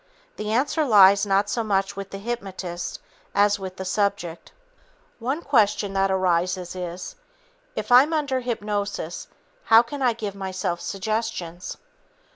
The answer lies not so much with the hypnotist as with the subject. One question that arises is: "If I'm under hypnosis, how can I give myself suggestions?"